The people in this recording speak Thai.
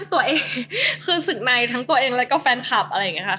ตัวเองคือศึกในทั้งตัวเองแล้วก็แฟนคลับอะไรอย่างนี้ค่ะ